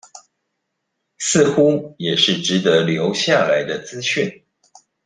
似乎也是值得留下來的資訊